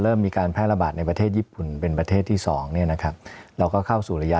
มีการแพร่ระบาดในประเทศญี่ปุ่นเป็นประเทศที่สองเนี่ยนะครับเราก็เข้าสู่ระยะ